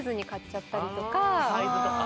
サイズとか？